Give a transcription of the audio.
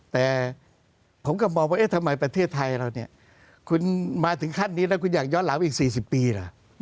แต่ผมก็มองว่าเอ๊ะทำไมประเทศไทยเราเนี่ยคุณมาถึงขั้นนี้แล้วคุณอยากย้อนหลังอีก๔๐ปีล่ะ